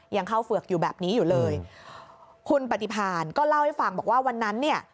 ยังเข้าเฝือกอยู่แบบนี้อยู่เลยคุณปฏิพานก็เล่าให้ฟังบอกว่าวันนั้นเนี่ย